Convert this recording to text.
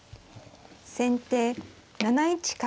先手７一角。